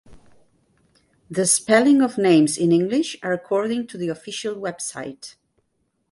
The spelling of names in English are according to the official website.